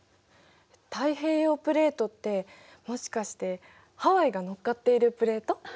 太平洋プレートってもしかしてハワイが乗っかっているプレート？